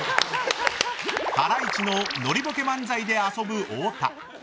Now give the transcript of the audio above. ハライチのノリボケ漫才で遊ぶ太田。